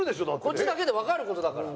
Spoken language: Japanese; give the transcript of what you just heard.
こっちだけでわかる事だから。